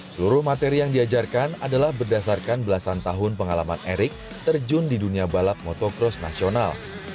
seluruh materi yang diajarkan adalah berdasarkan belasan tahun pengalaman erik terjun di dunia balap motocross nasional